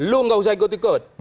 lu gak usah ikut ikut